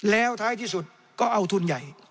แล้วท้ายที่สุดก็เอาทุนใหญ่